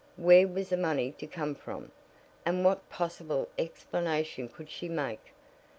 Where was the money to come from, and what possible explanation could she make?